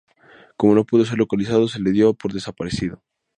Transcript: Como no pudo ser localizado, se le dio por desaparecido.